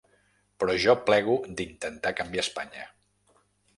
Però jo plego d’intentar canviar Espanya.